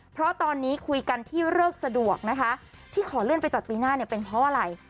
เพราะตอนนี้คุยกันที่เลิกสะดวกนะคะที่ขอเลื่อนไปจัดปีหน้าเนี่ยเป็นเพราะอะไร